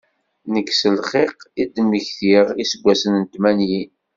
Nekk s lxiq i d-ttmektiɣ iseggasen n tmanyin.